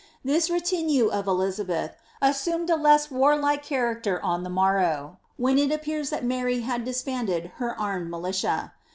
This retinue of Elizabeth as sumed a less warlike character on the morrow, when it appears that Mary had disbanded her armed militia.